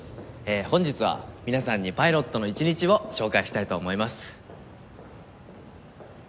「本日は皆さんにパイロットの一日を紹介したいと思います」